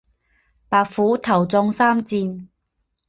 白虎头中三箭。